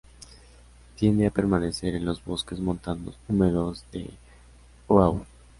Tiende a permanecer en los bosques montanos húmedos de Oahu.